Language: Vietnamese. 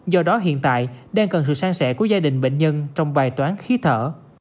do đó hiện tại đang cần sự sang sẻ của gia đình bệnh nhân trong bài toán khí thở